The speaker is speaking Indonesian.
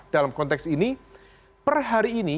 dalam konteks ini per hari ini